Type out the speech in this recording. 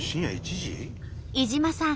井島さん